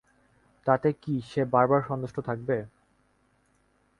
তাতে কি সে বরাবর সন্তুষ্ট থাকবে।